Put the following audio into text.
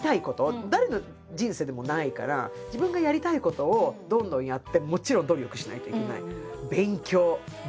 誰の人生でもないから自分がやりたいことをどんどんやってもちろん努力しないといけない。